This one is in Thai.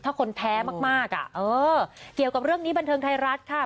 ถ้าคนแพ้มากอ่ะเออเกี่ยวกับเรื่องนี้บันเทิงไทยรัฐค่ะ